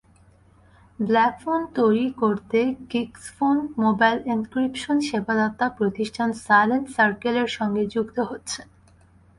Blackphone তৈরি করতে Geeksphone mobile encryption সেবাদাতা প্রতিষ্ঠান সাইলেন্ট সার্কেলের সঙ্গে যুক্ত হচ্ছে।